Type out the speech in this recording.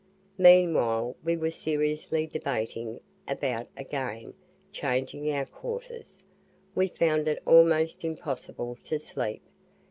Meanwhile we were Seriously debating about again changing our quarters. We found it almost impossible to sleep.